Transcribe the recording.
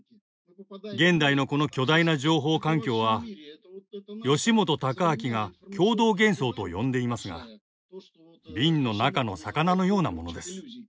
現代のこの巨大な情報環境は吉本隆明が共同幻想と呼んでいますが瓶の中の魚のようなものです。